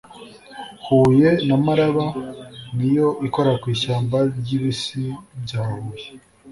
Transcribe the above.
Huye na Maraba ni yo ikora ku Ishyamba ry’Ibisi bya Huye